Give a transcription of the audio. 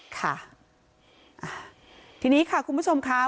ค่ะทีนี้ค่ะคุณผู้ชมค่ะ